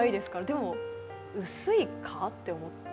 でも薄いか？と思って。